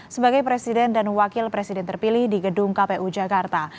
sebagai presiden dan wakil presiden terpilih di gedung kpu jakarta